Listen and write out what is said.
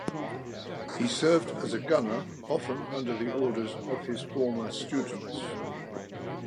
He served as a gunner, often under the orders of his former students.